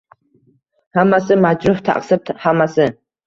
Hammasi majruh, taqsir, hammasi